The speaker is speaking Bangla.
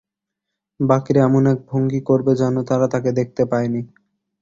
বাকিরা এমন এক ভঙ্গি করবে যেন তারা তাকে দেখতে পায়নি।